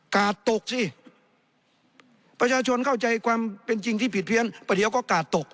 กาดตกสิประชาชนเข้าใจความเป็นจริงที่ผิดเพี้ยนประเดี๋ยวก็กาดตก